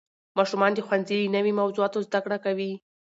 ماشومان د ښوونځي له نوې موضوعاتو زده کړه کوي